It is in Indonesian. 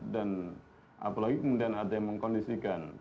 dan apalagi kemudian ada yang mengkondisikan